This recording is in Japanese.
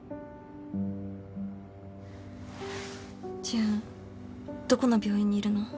ジュンどこの病院にいるの？